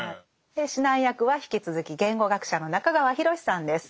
指南役は引き続き言語学者の中川裕さんです。